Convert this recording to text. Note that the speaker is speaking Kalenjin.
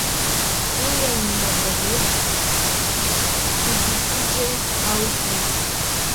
Ingen ngo kole kigisiche au Kip?